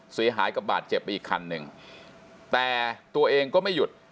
เสียหายกับบาดเจ็บไปอีกคันหนึ่งแต่ตัวเองก็ไม่หยุด